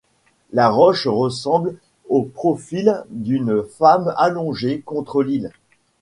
La roche ressemble au profil d'une femme allongée contre l'île.